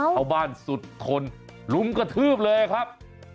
ชาวบ้านสุดทนลุมกระทืบเลยครับ